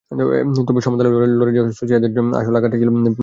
তবে সমানতালে লড়ে যাওয়া সোসিয়েদাদের জন্য আসল আঘাত ছিল বেলের গোলটাই।